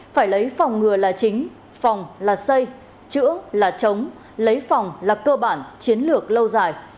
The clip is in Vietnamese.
phải lấy phòng ngừa là chính phòng là xây chữa là chống lấy phòng là cơ bản chiến lược lâu dài